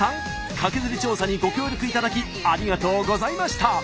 カケズリ調査にご協力いただきありがとうございました。